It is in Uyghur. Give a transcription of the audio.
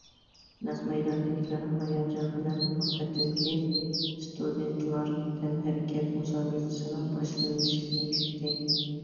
نەق مەيداندىكىلەر ھاياجان بىلەن بۇ قېتىمقى ئىستۇدېنتلار تەنھەرىكەت مۇسابىقىسىنىڭ باشلىنىشىنى كۈتتى.